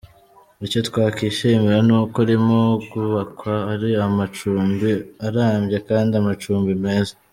Icyo twakwishimira ni uko arimo kubakwa ari amacumbi arambye kandi amacumbi meza.